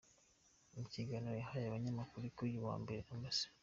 Mu kiganiro yahaye abanyamakuru kuri uyu wa Mbere, Amb.